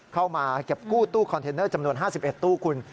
เข้ามาเก็บกู้ตู้คอนเทนเนอร์จำนวน๕๑ตู้คุณ